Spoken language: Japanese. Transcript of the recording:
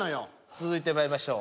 続いてまいりましょう。